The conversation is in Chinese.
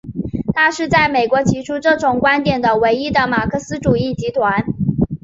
它是在美国提出这种观点的唯一的马克思主义集团。